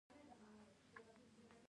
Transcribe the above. د خوست په اسماعیل خیل کې د مسو نښې شته.